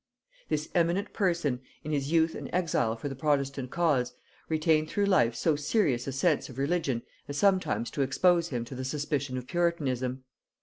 This eminent person, in his youth an exile for the protestant cause, retained through life so serious a sense of religion as sometimes to expose him to the suspicion of puritanism.